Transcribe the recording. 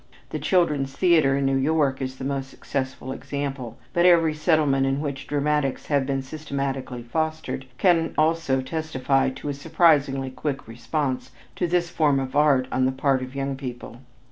The Children's Theater in New York is the most successful example, but every settlement in which dramatics have been systematically fostered can also testify to a surprisingly quick response to this form of art on the part of young people.